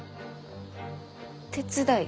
手伝い？